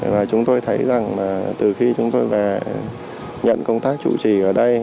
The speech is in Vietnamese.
và chúng tôi thấy rằng là từ khi chúng tôi về nhận công tác chủ trì ở đây